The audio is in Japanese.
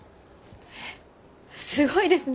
えっすごいですね！